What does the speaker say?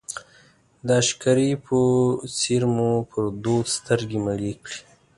د عشقري په څېر مو پر دود سترګې مړې کړې.